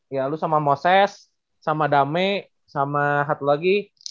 ya lu sama moses sama dame sama satu lagi